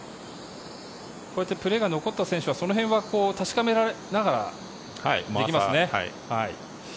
こうやってプレーが残った選手はその辺を確かめながらできますね。